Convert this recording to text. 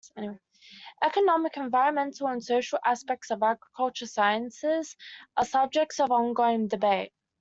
Economic, environmental, and social aspects of agriculture sciences are subjects of ongoing debate.